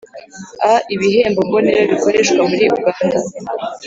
A ibihembo mbonera bikoreshwa muri uganda